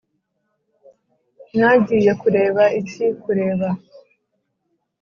mwagiye kureba iki Kureba